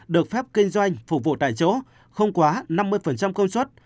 được phép kinh doanh phục vụ tại chỗ không quá năm mươi công suất